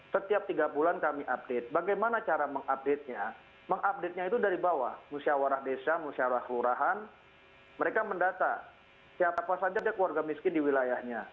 setiap tiga bulan kami update bagaimana cara mengupdate nya mengupdate nya itu dari bawah musyawarah desa musyawarah lurahan mereka mendata siapa saja keluarga miskin di wilayahnya